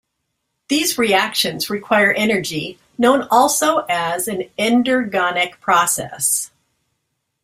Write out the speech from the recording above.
These reactions require energy, known also as an endergonic process.